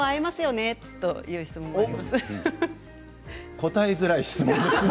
答えづらい質問ですね。